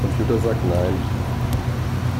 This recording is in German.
Computer sagt nein.